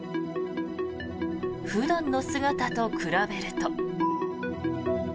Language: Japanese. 普段の姿と比べると。